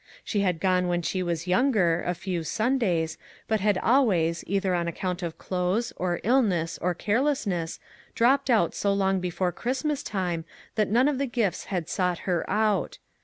She had gone when she was younger, a few Sundays, but had always, either on account of clothes, or illness, or carelessness, dropped out so long before Christmas time that none of the gifts had sought her out.